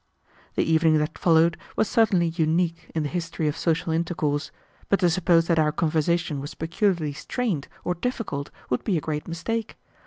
The evening that followed was certainly unique in the history of social intercourse, but to suppose that our conversation was peculiarly strained or difficult would be a great mistake.